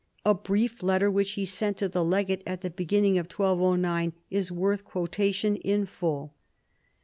A brief letter which he sent to the legate at the beginning of 1209 is worth quotation in full.